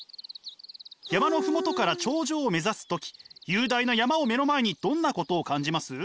山の麓から頂上を目指す時雄大な山を目の前にどんなことを感じます？